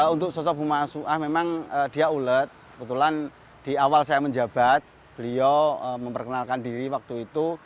untuk sosok bumah su'ah memang dia ulet kebetulan di awal saya menjabat beliau memperkenalkan diri waktu itu